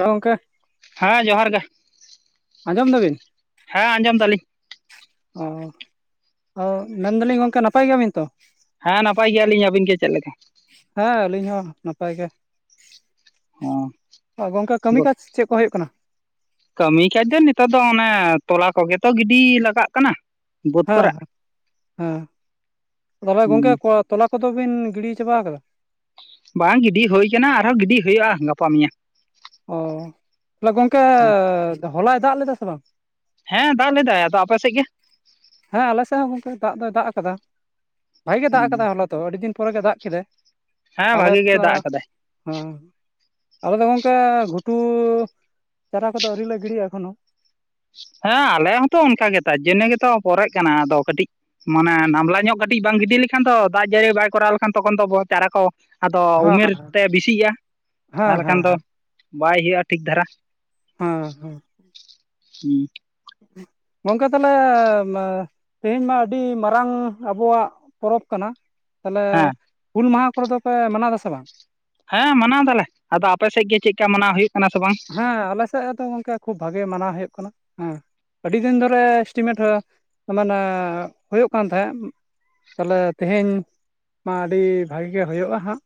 ᱦᱚᱸᱜᱚᱝᱠᱮ ᱦᱮᱸ ᱡᱚᱦᱟᱨ ᱜᱮ ᱟᱸᱡᱚᱢ ᱫᱟᱵᱤᱱ ᱦᱮᱸ ᱟᱸᱡᱚᱢ ᱫᱟᱞᱤᱧ ᱚ-ᱚ ᱢᱮᱱᱫᱟᱞᱤᱧ ᱜᱚᱝᱠᱮ ᱱᱟᱯᱟᱭ ᱜᱮᱭᱟᱵᱤᱱ ᱛᱚ ᱦᱮᱸ ᱱᱟᱯᱟᱭ ᱜᱮᱭᱟᱞᱤᱧ ᱟᱹᱵᱤᱱ ᱜᱮ ᱪᱮᱫᱮ ᱞᱮᱠᱟ ᱦᱮᱸ ᱟᱹᱞᱤᱧ ᱦᱚᱸ ᱱᱟᱯᱟᱭ ᱜᱮ ᱟ ᱜᱚᱝᱠᱮ ᱠᱟᱹᱢᱤ ᱚ ᱠᱟᱡᱽ ᱪᱮᱫ ᱠᱚ ᱦᱩᱭᱩᱜ ᱠᱟᱱᱟ ᱠᱟᱹᱢᱤ ᱠᱟᱡᱽ ᱫᱚ ᱱᱮᱛᱟᱨ ᱫᱚ ᱚᱱᱮ ᱛᱚᱞᱟ ᱠᱚᱜ ᱛᱚ ᱜᱤᱰᱤ ᱞᱟᱜᱟᱜ ᱠᱟᱱᱟ ᱵᱟᱹᱫᱽ ᱦᱮᱸ ᱠᱚᱨᱮ ᱦᱮᱸ ᱦᱮᱸ ᱛᱟᱦᱚᱞᱮ ᱜᱚᱝᱠᱮ ᱠᱚ ᱛᱚᱞᱟ ᱠᱚᱫᱚ ᱵᱤᱱ ᱜᱤᱰᱤ ᱪᱟᱵᱟ ᱟᱠᱟᱫᱟ ᱵᱟᱝ ᱜᱤᱰᱤ ᱦᱩᱭ ᱠᱟᱱᱟ ᱟᱨᱦᱚᱸ ᱜᱤᱰᱤ ᱦᱩᱭᱩᱜᱼᱟ ᱜᱟᱯᱟ ᱢᱮᱭᱟᱝ᱾ ᱚᱻ ᱛᱟᱦᱚᱞᱮ ᱜᱚᱝᱠᱮ ᱦᱚᱞᱟᱭ ᱫᱟᱜ ᱞᱮᱫᱟ ᱥᱮ ᱵᱟᱝ ᱦᱮᱸ ᱫᱟᱜ ᱞᱮᱫᱟᱭ ᱟᱫᱚ ᱟᱯᱮ ᱥᱮᱫ ᱜᱮ ᱦᱮᱸ ᱟᱞᱮ ᱥᱮᱫ ᱦᱚᱸ ᱜᱚᱝᱠᱮ ᱫᱟᱜ ᱫᱚᱭ ᱫᱟᱜ ᱟᱠᱟᱫᱟ ᱵᱷᱟᱜ ᱜᱮ ᱫᱟᱜ ᱟᱠᱟᱫᱟ ᱦᱚᱞᱟ ᱛᱚ ᱟᱹᱰᱤ ᱫᱤᱱ ᱯᱚᱨᱮ ᱜᱮ ᱫᱟᱜ ᱠᱮᱫᱟᱭ ᱦᱮᱸ ᱟᱞᱮ ᱵᱷᱟᱜᱤ ᱜᱮ ᱫᱟᱜ ᱛᱚᱸ ᱟᱠᱟᱫᱟᱭ ᱦᱮᱸ ᱟᱞᱮ ᱫᱚ ᱜᱚᱝᱠᱮ ᱜᱷᱩᱴᱩ ᱪᱟᱨᱟ ᱠᱚᱫᱚ ᱟᱹᱣᱨᱤᱞ ᱞᱮ ᱜᱤᱰᱤᱜᱼᱟ ᱮᱠᱷᱚᱱᱳ ᱦᱮᱸ ᱟᱞᱮ ᱦᱚᱸᱛᱚ ᱚᱱᱠᱟ ᱜᱮ ᱛᱟᱨ ᱡᱚᱱᱱᱮ ᱜᱮᱛᱚ ᱯᱚᱨᱮᱜ ᱠᱟᱱᱟ ᱟᱫᱚ ᱠᱟᱹᱴᱤᱡ ᱢᱟᱱᱮ ᱱᱟᱢᱞᱟ ᱧᱚᱜ ᱠᱟᱹᱴᱤᱡ ᱵᱟᱝ ᱜᱤᱰᱤ ᱞᱮᱠᱷᱟᱱ ᱫᱚ ᱫᱟᱜ ᱡᱟᱹᱲᱤ ᱵᱟᱭ ᱠᱚᱨᱟᱣ ᱞᱮᱠᱷᱟᱱ ᱛᱚᱠᱷᱚᱱ ᱫᱚ ᱪᱟᱨᱟ ᱠᱚ ᱟᱫᱚ ᱦᱮᱸ ᱩᱢᱮᱨ ᱛᱮ ᱵᱮᱥᱤᱜᱼᱟ ᱦᱮᱸ ᱛᱟᱦᱚᱞᱮ ᱦᱮᱸ ᱠᱷᱟᱱ ᱫᱚ ᱦᱮᱸ ᱵᱟᱭ ᱦᱩᱭᱩᱜ-ᱟ ᱴᱷᱤᱠ ᱫᱷᱟᱨᱟ, ᱦᱮᱸ ᱦᱮᱸ ᱦᱩᱸ᱾ ᱜᱚᱝᱠᱮ ᱛᱟᱦᱚᱞᱮ ᱢᱟᱼᱼ ᱛᱮᱦᱮᱧ ᱢᱟ ᱟᱹᱰᱤ ᱢᱟᱨᱟᱝ ᱟᱵᱚᱣᱟᱜ ᱯᱚᱨᱚᱵᱽ ᱠᱟᱱᱟ᱾ ᱛᱟᱦᱚᱞᱮ ᱦᱮᱸ ᱦᱩᱞ ᱢᱟᱦᱟᱸ ᱠᱚᱨᱮ ᱫᱚ ᱯᱮ ᱢᱟᱱᱟᱣ ᱫᱟ ᱥᱮ ᱵᱟᱝ? ᱦᱮᱸ ᱢᱟᱱᱟᱣ ᱫᱟᱞᱮ, ᱟᱫᱚ ᱟᱯᱮ ᱥᱮᱜ ᱜᱮ ᱪᱮᱜ ᱠᱟ ᱢᱟᱱᱟᱣ ᱦᱩᱭᱩᱜ ᱠᱟᱱᱟ ᱥᱮ ᱵᱟᱝ ᱦᱮᱸ ᱟᱞᱮ ᱥᱮᱜ ᱫᱚ ᱜᱚᱝᱠᱮ ᱠᱷᱩᱵ ᱵᱷᱟᱜᱤ ᱢᱟᱱᱟᱣ ᱦᱩᱭᱩᱜ ᱠᱟᱱᱟ, ᱦᱮᱸ᱾ ᱟᱹᱰᱤ ᱫᱤᱱ ᱫᱷᱚᱨᱮ ᱮᱥᱴᱤᱢᱮᱴ ᱢᱟᱱᱮ ᱦᱚᱭᱚᱜ ᱠᱟᱱ ᱛᱟᱦᱮᱸ᱾ ᱛᱟᱦᱚᱞᱮ ᱛᱮᱦᱮᱧ ᱢᱟ ᱟᱹᱰᱤ ᱵᱷᱟᱜᱤ ᱜᱮ ᱦᱩᱭᱩᱜ-ᱟ ᱦᱟᱸᱜ᱾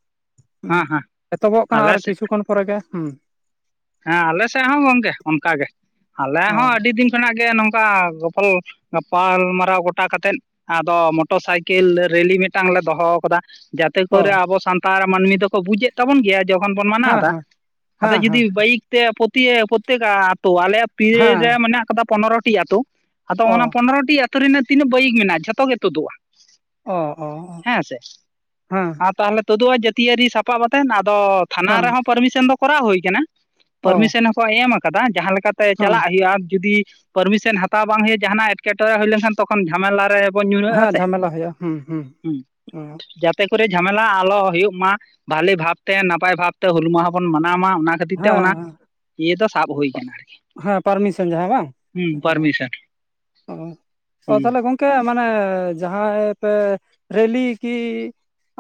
ᱩᱸ ᱦᱮᱸ ᱦᱮᱸ ᱮᱛᱚᱦᱚᱵᱚᱜ ᱠᱟᱱᱟ ᱟᱞᱮ ᱟᱨ ᱥᱮᱫ ᱠᱤᱪᱷᱩ ᱠᱷᱚᱱ ᱯᱚᱨᱮ ᱜᱮ, ᱦᱩᱸ᱾ ᱦᱮᱸ ᱟᱞᱮ ᱥᱮᱜ ᱦᱚᱸ ᱜᱚᱝᱠᱮ ᱚᱱᱠᱟ ᱜᱮ ᱟᱞᱮ ᱚ ᱦᱚᱸ ᱟᱹᱰᱤ ᱫᱤᱱ ᱠᱷᱚᱱᱟᱜ ᱜᱮ ᱱᱚᱝᱠᱟ ᱜᱚᱯᱚᱞᱼᱼ ᱜᱟᱯᱟᱞ ᱢᱟᱨᱟᱣ ᱜᱚᱴᱟ ᱠᱟᱛᱮᱜ ᱟᱫᱚ ᱢᱚᱴᱚᱨ ᱥᱟᱭᱠᱮᱞ ᱨᱮᱞᱤ ᱢᱤᱫᱴᱟᱝ ᱞᱮ ᱫᱚᱦᱚ ᱠᱟᱫᱟ᱾ ᱡᱟᱛᱮ ᱚ ᱠᱚᱨᱮ ᱟᱵᱚ ᱥᱟᱱᱛᱟᱲ ᱢᱟᱱᱢᱤ ᱫᱚᱠᱚ ᱵᱩᱡᱮᱫ ᱛᱟᱵᱚᱱ ᱜᱮᱭᱟ ᱡᱚᱠᱷᱚᱱ ᱵᱚᱱ ᱢᱟᱱᱟᱣ ᱦᱮᱸ ᱫᱟ ᱦᱮᱸ ᱟᱫᱚ ᱦᱮᱸ ᱡᱩᱫᱤᱼᱼ ᱦᱮᱸ ᱵᱟᱹᱭᱤᱠ ᱛᱮ ᱯᱳᱛᱤᱭᱮ ᱯᱳᱠᱛᱮᱠ ᱟᱛᱩ ᱟᱞᱮ ᱭᱟᱜ ᱯᱤᱭᱮ ᱨᱮ ᱦᱮᱸ ᱢᱮᱱᱟᱜ ᱟᱠᱟᱫᱟ ᱯᱚᱱᱚᱨᱚᱴᱤ ᱟᱛᱩ᱾ ᱟᱫᱚ ᱚ ᱚᱱᱟ ᱯᱚᱱᱨᱚᱴᱤ ᱟᱹᱛᱩ ᱨᱮᱱᱟᱜ ᱛᱤᱱᱟᱹᱜ ᱵᱟᱹᱭᱤᱠ ᱢᱮᱱᱟᱜ-ᱟ ᱡᱚᱛᱚ ᱜᱮ ᱛᱳᱫᱩᱜ-ᱟ᱾ ᱚ ᱚ ᱦᱮᱸ ᱥᱮ ᱦᱮᱸ ᱟᱨ ᱛᱟᱦᱚᱞᱮ ᱛᱩᱫᱩᱜ ᱟᱭ ᱡᱟᱹᱛᱤᱭᱟᱹᱨᱤ ᱥᱟᱯᱟᱵ ᱟᱛᱮᱱ ᱟᱫᱚᱼᱼ ᱛᱷᱟᱱᱟ ᱦᱮᱸ ᱨᱮᱦᱚᱸ ᱯᱟᱹᱨᱢᱤᱥᱚᱱ ᱫᱚ ᱠᱚᱨᱟᱣ ᱦᱳᱭ ᱠᱟᱱᱟ᱾ ᱚ ᱯᱟᱹᱨᱢᱤᱥᱚᱱ ᱦᱚᱸᱠᱚ ᱮᱢ ᱠᱟᱫᱟ ᱡᱟᱦᱟᱸ ᱞᱮᱠᱟᱛᱮ ᱦᱮᱸ ᱪᱟᱞᱟᱜ ᱦᱩᱭᱩᱜᱼᱟ ᱡᱩᱫᱤᱼᱼ ᱯᱟᱹᱨᱢᱤᱥᱮᱱ ᱦᱟᱛᱟᱣ ᱵᱟᱝ ᱦᱩᱭᱩᱜ-ᱟ ᱡᱟᱦᱟᱸ ᱱᱟᱜ ᱮᱴᱠᱮᱴᱚᱬᱮ ᱦᱩᱭ ᱞᱮᱱᱠᱷᱟᱱ ᱛᱚᱠᱷᱚᱱ ᱡᱷᱟᱢᱮᱞᱟ ᱨᱮᱼᱼ ᱵᱚᱱ ᱧᱩᱨᱦᱟᱹᱜ-ᱟ ᱦᱮᱸ ᱥᱮ, ᱡᱷᱟᱢᱮᱞᱟ ᱦᱩᱭᱩᱜᱼᱟ ᱦᱩᱸ ᱦᱩᱸ ᱚ ‌ᱦᱩᱸᱡᱟᱛᱼᱼ ᱛᱮ ᱠᱚᱨᱮ ᱡᱷᱟᱢᱮᱞᱟ ᱟᱞᱚ ᱦᱩᱭᱩᱜ ᱢᱟ ᱵᱷᱟᱞᱤ ᱵᱷᱟᱵᱽ ᱛᱮ ᱱᱟᱯᱟᱭ ᱵᱷᱟᱵᱽ ᱛᱮ ᱦᱩᱞ ᱢᱟᱦᱟᱸ ᱵᱚᱱ ᱢᱟᱱᱟᱣ ᱢᱟ ᱚᱱᱟ ᱠᱷᱟᱹᱼᱼ ᱛᱮ ᱚᱱᱟ ᱦᱮᱸ ᱤᱭᱟᱹ ᱫᱚ ᱥᱟᱵ ᱦᱩᱭ ᱠᱟᱱᱟ ᱟᱨᱠᱤ᱾ ᱦᱮᱸ ᱯᱟᱨᱢᱤᱥᱚᱱ ᱡᱟᱦᱟᱸ ᱵᱟᱝ ᱦᱩᱸ ᱦᱮᱸ ᱯᱟᱨᱢᱤᱥᱚᱱ ᱚᱸ ᱚᱻ ᱦᱩᱸ ᱛᱟᱦᱚᱞᱮ ᱜᱚᱝᱼᱼ ᱠᱮ ᱢᱟᱱᱮ ᱡᱟᱦᱟᱸᱭ ᱯᱮ ᱨᱮᱞᱤ ᱠᱤᱼᱼ